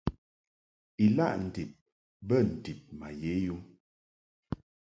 Ilaʼ ndib bə ndib ma ye yum.